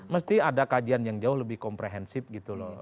mesti ada kajian yang jauh lebih komprehensif